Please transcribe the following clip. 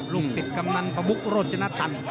ลูกศิษย์กำนันประมุกโรจนตัน